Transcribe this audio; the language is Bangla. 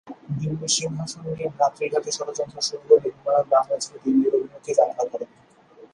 দিল্লির সিংহাসন নিয়ে ভ্রাতৃঘাতী ষড়যন্ত্র শুরু হলে হুমায়ুন বাংলা ছেড়ে দিল্লির অভিমুখে যাত্রা করেন।